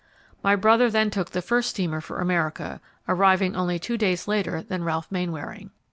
My brother then took the first steamer for America, arriving only two days later than Ralph Mainwaring.